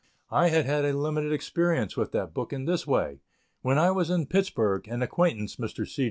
I had had a limited experience with that book in this way: When I was in Pittsburg, an acquaintance, Mr. C.